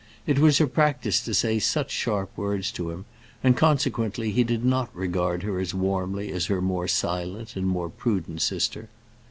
It was her practice to say such sharp words to him, and consequently he did not regard her as warmly as her more silent and more prudent sister.